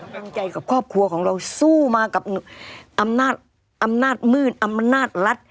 ดังใจกับครอบครัวของเราสู้มากับอำนาจมืดอำนาจรัฐ